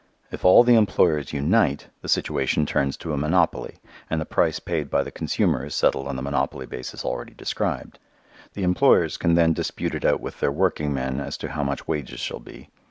If all the employers unite, the situation turns to a monopoly, and the price paid by the consumer is settled on the monopoly basis already described. The employers can then dispute it out with their working men as to how much wages shall be.